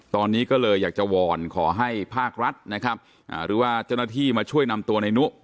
ตอนนี้ก็เลยอยากจะวอนขอให้ภาครัฐนะครับหรือว่าเจ้าหน้าที่มาช่วยนำตัวในนุ